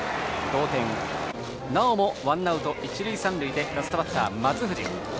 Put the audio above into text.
同点なおもワンアウト一塁三塁でラストバッター、松藤。